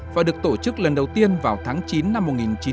và được tổ chức lần đầu tiên vào tháng chín năm một nghìn chín trăm tám mươi hai